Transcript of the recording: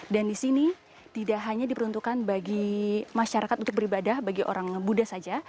dan di sini tidak hanya diperuntukkan bagi masyarakat untuk beribadah bagi orang buddha saja